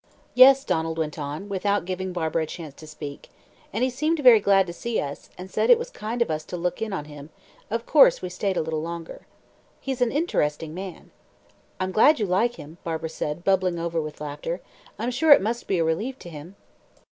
"Yes," Donald went on, without giving Barbara a chance to speak, "and as he seemed very glad to see us, and said it was kind of us to look in on him, of course we stayed a little longer. He's an interesting man." "I'm glad you like him," Barbara said, bubbling over with laughter. "I'm sure it must be a relief to him."